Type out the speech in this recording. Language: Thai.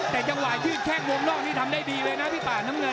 แต่จังหวายยืดแค่วงล่องนี้ทำได้ดีเลยนะพี่ป้าน